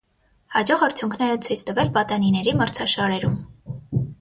Հաջող արդյունքներ է ցույց տվել պատանիների մրցաշարերում։